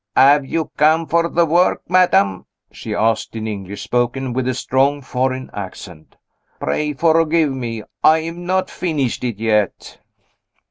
"Have you come for the work, madam?" she asked, in English, spoken with a strong foreign accent. "Pray forgive me; I have not finished it yet."